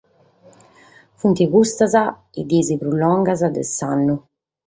Sunt, custas, sas dies prus longas de s’annu.